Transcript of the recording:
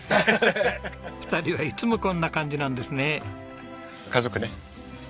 ２人はいつもこんな感じなんですね。